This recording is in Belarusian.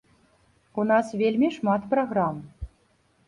У нас вельмі шмат праграм.